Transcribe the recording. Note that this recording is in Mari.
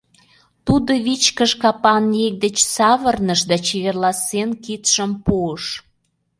Тудо вичкыж капан еҥ деч савырныш да чеверласен кидшым пуыш.